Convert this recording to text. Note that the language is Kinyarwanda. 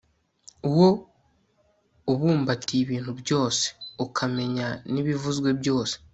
wo ubumbatiye ibintu byose, ukamenya n'ibivuzwe byose